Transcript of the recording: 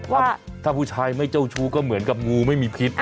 ว่าถ้าผู้ชายไม่เจ้าชู้ก็เหมือนกับงูไม่มีพิษ